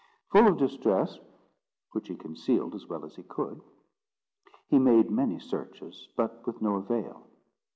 Full of distress, which he concealed as well as he could, he made many searches, but with no avail.